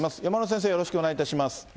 山村先生、よろしくお願いいたします。